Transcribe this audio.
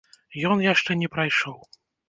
Ён яшчэ не прайшоў.